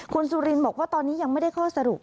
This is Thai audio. คุณสุรินบอกว่าตอนนี้ยังไม่ได้ข้อสรุป